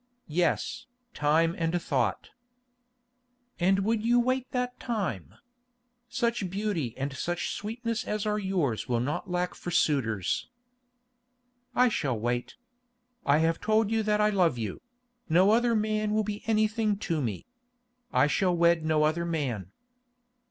"Yes, time and thought." "And would you wait that time? Such beauty and such sweetness as are yours will not lack for suitors." "I shall wait. I have told you that I love you; no other man will be anything to me. I shall wed no other man."